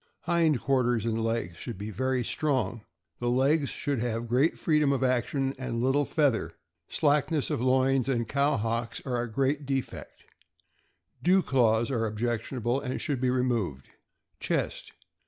Hind quarters and legs. — Should be very strong. The legs should have great freedom of action and a little feather; slackness of loins and cow hocks are a great defect; dew claws are objectionable and should be removed. Chest.